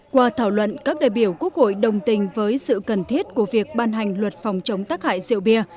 qua thảo luận các đại biểu quốc hội đồng tình với sự cần thiết của việc ban hành luật phòng chống tắc hại rượu bia